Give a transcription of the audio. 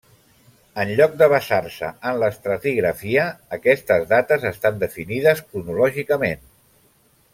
En lloc de basar-se en l'estratigrafia, aquestes dates estan definides cronològicament.